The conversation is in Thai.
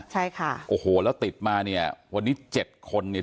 ใช่ค่ะโอ้โหแล้วติดมาเนี่ยวันนี้เจ็ดคนเนี่ย